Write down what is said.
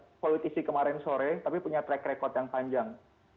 politisi kemarin sore tapi punya track record yang panjang